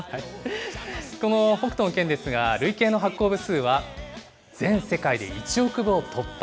この北斗の拳ですが、累計の発行部数は全世界で１億部を突破。